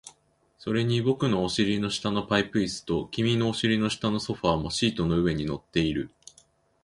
それに僕のお尻の下のパイプ椅子と、君のお尻の下のソファーもシートの上に乗っている